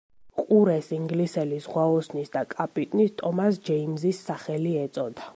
ყურეს ინგლისელი ზღვაოსნის და კაპიტნის ტომას ჯეიმზის სახელი ეწოდა.